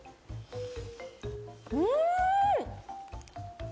うん！